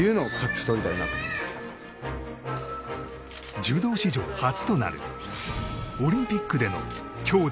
柔道史上初となるオリンピックでの兄妹